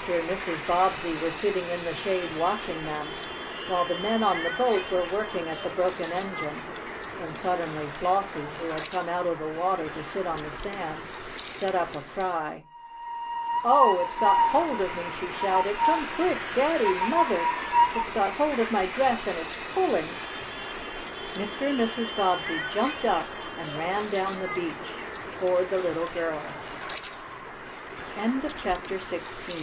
and Mrs. Bobbsey were sitting in the shade watching them, while the men on the boat were working at the broken engine, when suddenly Flossie, who had come out of the water to sit on the sand, set up a cry. "Oh, it's got hold of me!" she shouted. "Come quick, Daddy! Mother! It's got hold of my dress and it's pulling!" Mr. and Mrs. Bobbsey jumped up and ran down the beach toward the little girl. [Illustration: FLOSSIE WAS TRYING TO PULL AWAY.